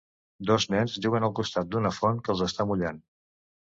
Dos nens juguen al costat d'una font que els està mullant.